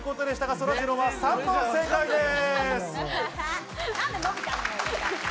そらジローは３問正解です。